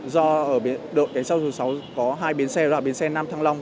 do đội cảnh sát số sáu có hai biến xe là biến xe nam thăng long